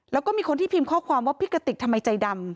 แล้วก็มีคนที่พิมพ์ข้อความว่าพี่กติกทำไมใจดำ